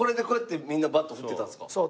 そう。